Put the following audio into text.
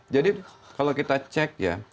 jadi kalau kita cek ya